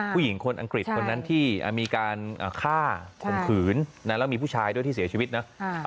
ผู้หญิงคนอังกฤษคนนั้นที่มีการฆ่าข่มขืนแล้วมีผู้ชายด้วยที่เสียชีวิตนะ